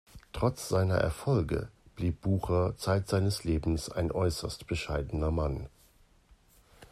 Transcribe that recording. Trotz seiner Erfolge blieb Bucher zeit seines Lebens ein äusserst bescheidener Mann.